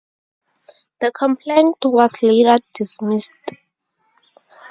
The complaint was later dismissed.